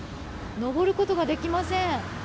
上ることができません。